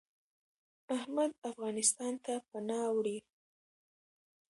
احمد افغانستان ته پناه وړي .